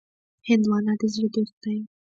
هندوانه د زړه دوست دی.